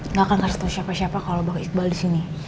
nggak akan kena tau siapa siapa kalau bang iqbal disini